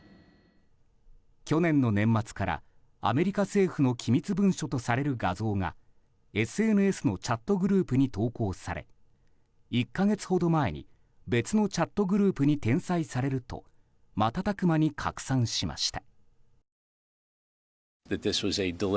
去年の年末からアメリカ政府の機密文書とされる画像がＳＮＳのチャットグループに投稿されて１か月ほど前に、別のチャットグループに転載されると瞬く間に拡散しました。